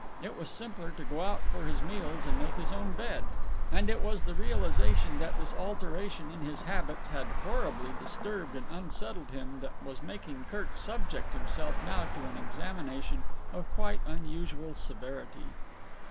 It was simpler to go out for his meals and make his own bed. And it was the realization that this alteration in his habits had horribly disturbed and unsettled him that was making Kirk subject himself now to an examination of quite unusual severity.